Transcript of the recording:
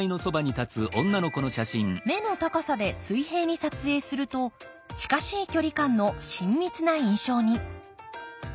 目の高さで水平に撮影すると近しい距離感の親密な印象に。